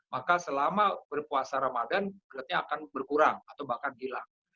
maka selama berpuasa ramadan gerd nya akan berkurang atau bahkan hilang